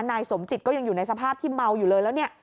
นายสมจิตก็ยังอยู่ในสภาพที่เมาอยู่เลยแล้วเนี่ย